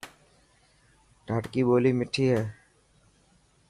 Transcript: ڌاٽڪي ٻولي مٺي هي.